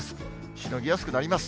しのぎやすくなります。